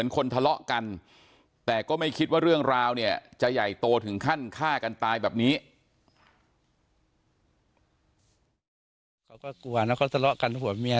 เขาก็กลัวนะเขาทะเลาะกันหัวเมีย